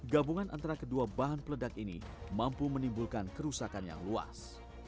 gabungan antara kedua bahan peledak ini mampu menimbulkan kerusakan yang luas